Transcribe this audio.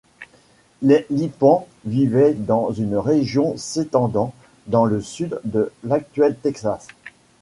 Les Lipans vivaient dans une région s'étendant dans le Sud de l'actuel Texas.